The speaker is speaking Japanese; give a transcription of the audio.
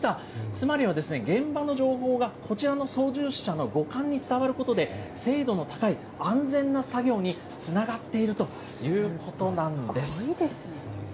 つまりはですね、現場の情報が、こちらの操縦者の五感に伝わることで、精度の高い安全な作業につながっているということなんです。